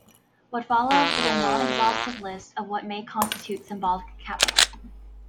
What follows is a non-exhaustive list of what may constitute symbolic capital.